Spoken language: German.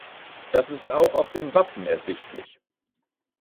Das ist auch auf dem Wappen ersichtlich.